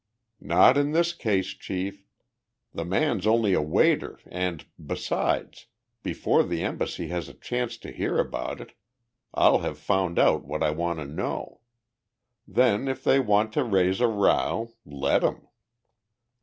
"Not in this case, Chief. The man's only a waiter and, besides, before the embassy has a chance to hear about it I'll have found out what I want to know. Then, if they want to raise a row, let 'em."